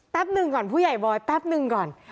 หนึ่งก่อนผู้ใหญ่บอยแป๊บนึงก่อน